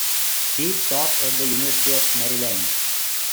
He taught at the University of Maryland.